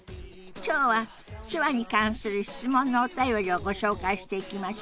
今日は手話に関する質問のお便りをご紹介していきましょ。